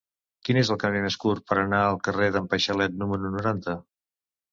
Quin és el camí més curt per anar al carrer d'en Paixalet número noranta?